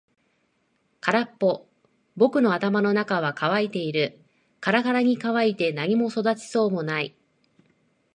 空っぽ。僕の頭の中は乾いている。からからに乾いて何も育ちそうもない。